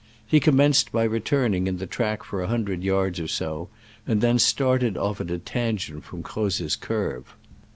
He com menced by returning in the track for a hundred yards or so, and then started off at a tangent from Croz's curve.